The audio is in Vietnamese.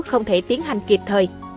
không thể tiến hành kịp thời